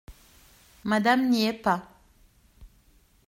Madame n'y est pas.